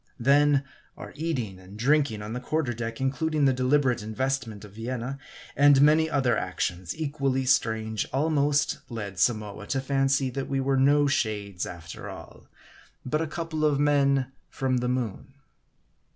Then, our eating and drinking on the quarter deck including the deliberate investment of Vienna ; and many other actions equally strange, almost led Samoa to fancy that we were no shades, after all, but a couple of men from the moon.